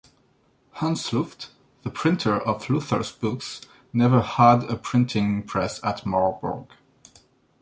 Hans Luft, the printer of Luther's books, never had a printing press at Marburg.